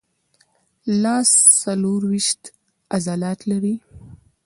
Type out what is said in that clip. لاس څلورویشت عضلات لري.